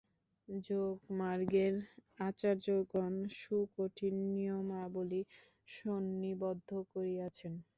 যোগমার্গের আচার্যগণ সুকঠিন নিয়মাবলী সন্নিবদ্ধ করিয়াছেন।